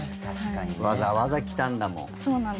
わざわざ来たんだもん。